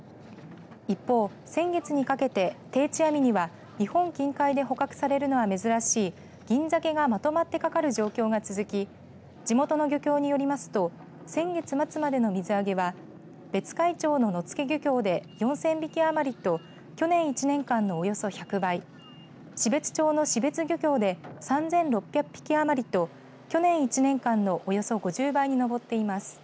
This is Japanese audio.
一方、先月にかけて定置網には日本近海で捕獲されるのは珍しいギンザケがまとまってかかる状況が続き地元の漁協によりますと先月末までの水揚げは別海町の野付漁協で４０００匹余りと去年１年間のおよそ１００倍標津町の標津漁協で３６００匹余りと去年１年間のおよそ５０倍に上っています。